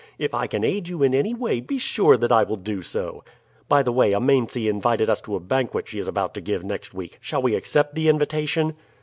If I can aid you in any way be sure that I will do so. By the way, Amense invited us to a banquet she is about to give next week. Shall we accept the invitation?"